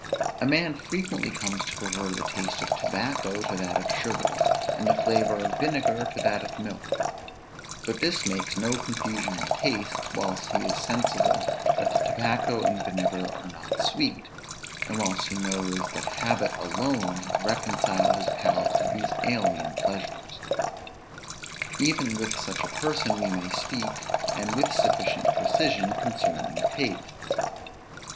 A man frequently comes to prefer the taste of tobacco to that of sugar, and the flavor of vinegar to that of milk; but this makes no confusion in tastes, whilst he is sensible that the tobacco and vinegar are not sweet, and whilst he knows that habit alone has reconciled his palate to these alien pleasures. Even with such a person we may speak, and with sufficient precision, concerning tastes.